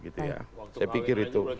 saya pikir itu